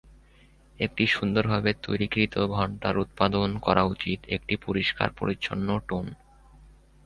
একটি সুন্দর ভাবে তৈরি কৃত ঘণ্টার উৎপাদন করা উচিত একটি পরিষ্কার, পরিচ্ছন্ন টোন।